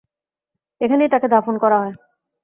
এখানেই তাকে দাফন করা হয়।